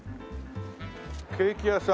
ケーキ屋さん。